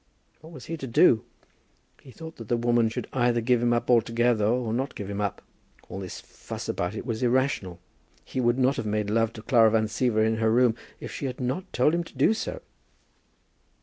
What was he to do? He thought that the woman should either give him up altogether, or not give him up. All this fuss about it was irrational! He would not have made love to Clara Van Siever in her room if she had not told him to do so!